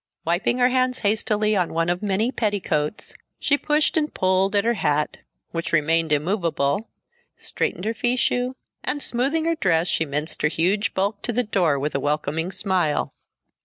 Wiping her hands hastily on one of many petticoats, she pushed and pulled at her hat (which remained immovable), straightened her fichu, and smoothing her dress, she minced her huge bulk to the door with a welcoming smile.